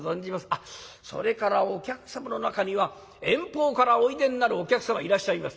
あっそれからお客様の中には遠方からおいでになるお客様いらっしゃいます。